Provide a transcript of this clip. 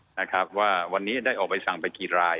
นะครับว่าวันนี้ได้ออกใบสั่งไปกี่ราย